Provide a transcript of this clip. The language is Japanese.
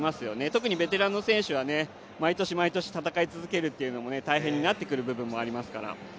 特にベテランの選手は、毎年毎年戦い続けるというのも大変になってくる部分もありますから。